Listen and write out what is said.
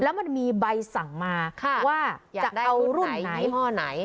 แล้วมันมีใบสั่งมาว่าจะเอารุ่นไหนยี่ห้อไหน